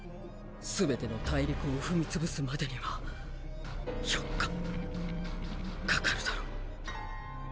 すべての大陸を踏み潰すまでには４日掛かるだろう。